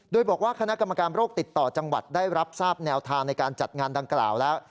โดยบอกว่าคณะกรรมการโรคติดต่อจังหวัดได้รับทราบแนวทางในการจัดงานดังกล่าวแล้ว